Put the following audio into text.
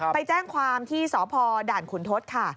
ไปแจ้งความที่สพด่านขุนทศค่ะ